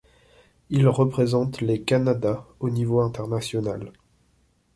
Il représente les Canada au niveau international.